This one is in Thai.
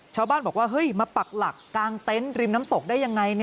ชาวบ้านบอกว่าเฮ้ยมาปักหลักกลางเต็นต์ริมน้ำตกได้ยังไง